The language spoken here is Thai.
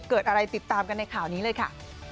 เกิดอะไรติดตามกันในข่าวนี้เลยค่ะ